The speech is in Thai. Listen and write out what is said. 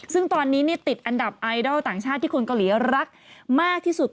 ซึ่งตอนนี้ติดอันดับไอดอลต่างชาติที่คนเกาหลีรักมากที่สุด